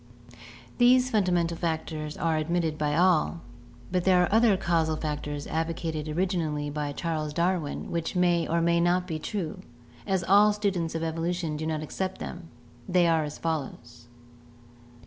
These fundamental factors are admitted by all, but there are other causal factors advocated originally by Charles Darwin which NATURAL SELECTION 101 may or may not be true, as all students of evolution do not accept them. They are as follows.